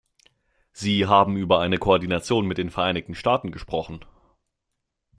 Sie haben über eine Koordination mit den Vereinigten Staaten gesprochen.